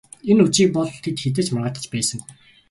Энэ үдшийг болтол тэд хэзээ ч маргалдаж байсангүй.